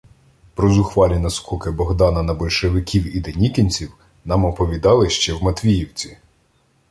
Про зухвалі наскоки Богдана на большевиків і денікінців нам оповідали ще в Матвіївці.